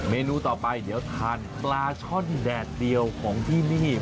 เมนูต่อไปเดี๋ยวทานปลาช่อนแดดเดียวของที่นี่